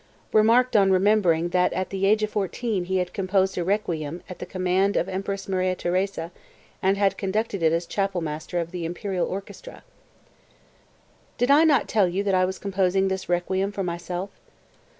(Remarked on remembering that at the age of fourteen he had composed a "Requiem" at the command of Empress Maria Theresa and had conducted it as chapelmaster of the imperial orchestra.) 226. "Did I not tell you that I was composing this 'Requiem' for myself?"